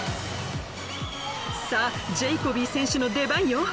さぁジェイコビー選手の出番よ。